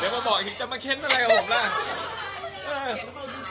ก็บอกจะมาเข้นอะไรกับผมล่ะ